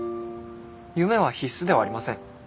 夢は必須ではありません。